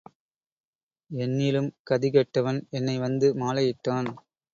என்னிலும் கதி கெட்டவன் என்னை வந்து மாலையிட்டான்.